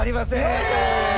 よいしょー！